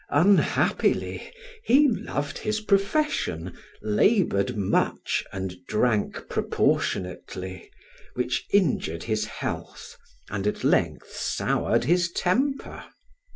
Unhappily, he loved his profession, labored much and drank proportionately, which injured his health, and at length soured his temper.